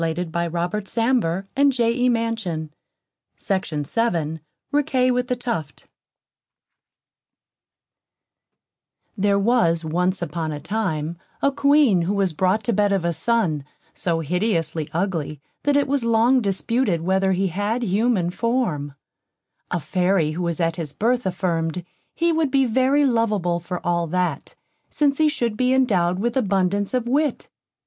_ Riquet with the Tuft Riquet with the Tuft There was, once upon a time, a Queen, who was brought to bed of a son, so hideously ugly, that it was long disputed, whether he had human form. A Fairy, who was at his birth, affirmed, he would be very lovable for all that, since he should be indowed with abundance of wit.